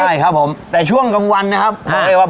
ใช่ครับผมแต่ช่วงกลางวันนะครับ